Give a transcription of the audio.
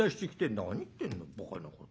「何言ってんのばかなこと。